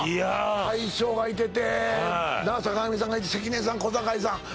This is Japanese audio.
大将がいてて坂上さんがいて関根さん小堺さん